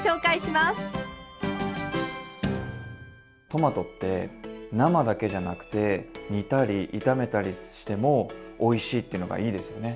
トマトって生だけじゃなくて煮たり炒めたりしてもおいしいっていうのがいいですよね。